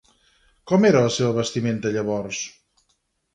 Com era la seva vestimenta llavors?